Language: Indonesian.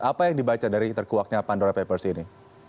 apa yang dibaca dari terkuaknya pandora papers ini